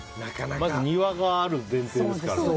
まず、庭がある前提ですから。